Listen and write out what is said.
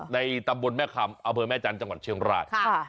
ในตำบลแม่คำอำเภอแม่จันทร์จังหวัดเชียงราย